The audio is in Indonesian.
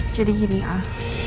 jadi gini al